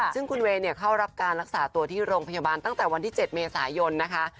ซึ่งคุณเวย์เข้ารับการรักษาตัวที่โรงพยาบาลตั้งแต่วันที่๗เมษายนนะคะ